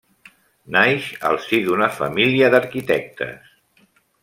Naix al si d'una família d'arquitectes.